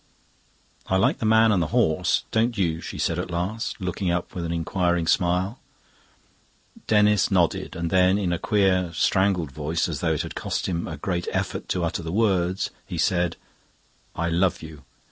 "I like the man and the horse; don't you?" she said at last, looking up with an inquiring smile. Denis nodded, and then in a queer, strangled voice, as though it had cost him a great effort to utter the words, he said, "I love you."